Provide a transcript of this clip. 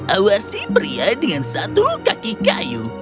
awasi pria dengan satu kaki kayu